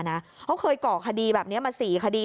เขาเคยก่อคดีแบบนี้มา๔คดี